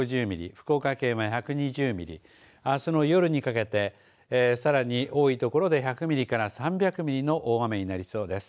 福岡県は１２０ミリあすの夜にかけて、さらに多いところで１００ミリから３００ミリの大雨になりそうです。